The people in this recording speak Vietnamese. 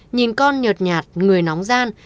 nhìn con nhợt nhạt người nóng gian